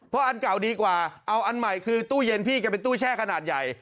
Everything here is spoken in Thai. เพราะอันเก่าดีกว่าเอาอันใหม่คือตู้เย็นพี่แกเป็นตู้แช่ขนาดใหญ่